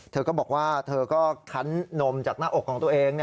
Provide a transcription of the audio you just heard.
เธอก็บอกว่าเธอก็คันนมจากหน้าอกของตัวเอง